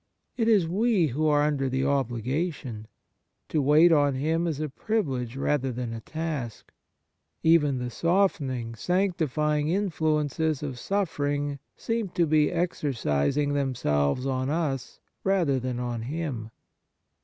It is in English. It is we who are under the obliga tion. To wait on him is a privilege rather than a task. Even the softening, sancti fying influences of suffering seem to be exercising themselves on us rather than on him.